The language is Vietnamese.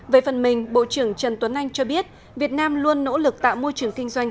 về phần mình bộ trưởng trần tuấn anh cho biết việt nam luôn nỗ lực tạo môi trường kinh doanh